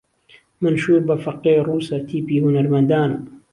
مەنشوور بە فەقێ ڕووسە تیپی هوونەرمەندانە